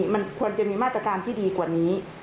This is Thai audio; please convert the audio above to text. มันควรจะมีมาตรการที่ดีกว่านี้